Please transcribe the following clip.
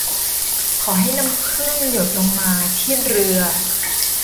ขอให้น้ำผึ้งหยดลงมาที่เรือ